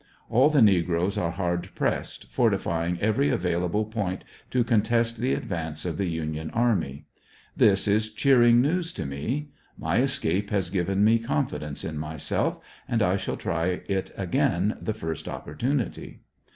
All the negroes are hard pressed, fortifying every available point to contest the advance of the Union Army. This is cheering news to me. My escape has given me comfidence in myself, and I shall try it again the first opportunity.